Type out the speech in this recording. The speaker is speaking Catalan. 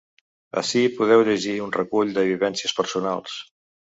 Ací podeu llegir un recull de vivències personals.